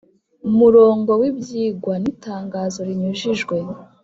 Murongo w ibyigwa n itangazo rinyujijwe